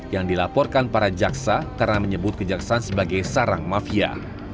yang dilaporkan para jaksa karena menyebut kejaksaan sebagai sarang mafia